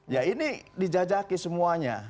ya ini dijajaki semuanya